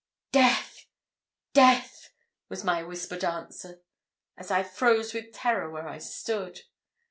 'Death! death!' was my whispered answer, as I froze with terror where I stood.